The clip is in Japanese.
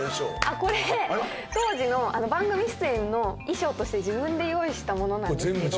これ当時の番組出演の衣装として自分で用意したものなんですけど。